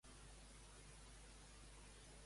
La Fiscalia demana presó sense fiança per a Cuixart.